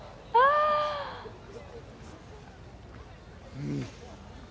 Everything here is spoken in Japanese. うん！